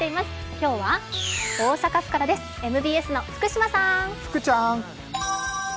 今日は大阪府からです、ＭＢＳの福島さん。